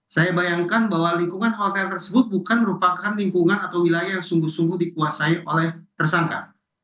saya bayangkan bahwa lingkungan hotel tersebut bukan merupakan lingkungan atau wilayah yang sungguh sungguh dikuasai oleh tersangka